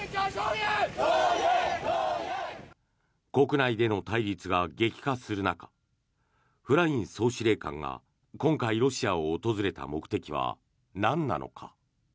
国内での対立が激化する中フライン総司令官が今回、ロシアを訪れた目的はなんなのか。